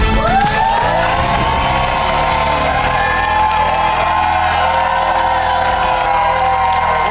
สวัสดีครับ